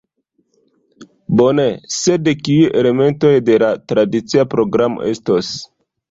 Bone, sed kiuj elementoj de la tradicia programo estos?